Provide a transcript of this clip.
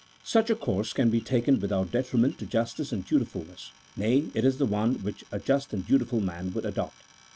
Such a course can be taken without detriment to justice and dutifulness, nay, it is the one which a just and dutiful man would adopt.